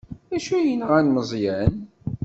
D acu ay yenɣan Meẓyan?